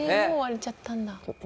もう割れちゃったんだ」